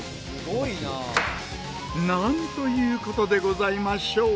なんということでございましょう。